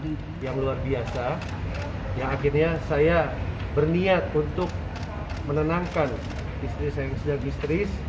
ada terjadi percek cokan yang luar biasa yang akhirnya saya berniat untuk menenangkan istri saya yang sudah histeris